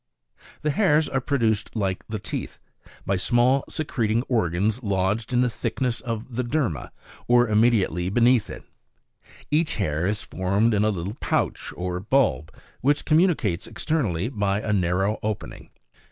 6. The hairs are produced like the teeth, by small secreting organs, lodged in the thickness of the derma, or immediately be neath it. Each hair is formed in a little pouch or bulb, which communicates externally by a narrow opening.